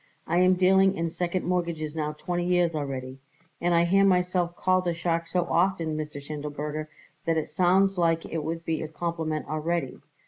I am dealing in second mortgages now twenty years already, and I hear myself called a shark so often, Mr. Schindelberger, that it sounds like it would be a compliment already.